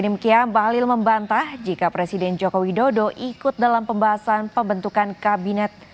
demikian bahlil membantah jika presiden joko widodo ikut dalam pembahasan pembentukan kabinet